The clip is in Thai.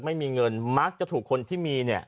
ไม่มีเงินมักจะถูกคนที่มีเนี่ย